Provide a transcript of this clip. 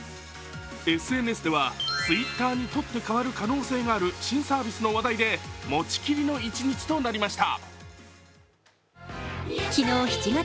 ＳＮＳではＴｗｉｔｔｅｒに取ってかわる可能性のある新サービスの話題で持ちきりの一日となりました。